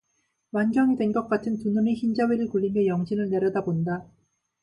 만경이 된 것 같은 두 눈의 흰자위를 굴리며 영신을 내려다본다.